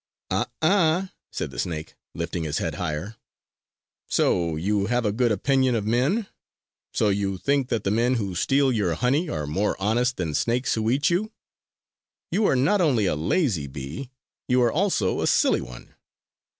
"Ah, ah!" said the snake, lifting his head higher, "so you have a good opinion of men? So you think that the men who steal your honey are more honest than snakes who eat you? You are not only a lazy bee. You are also a silly one!"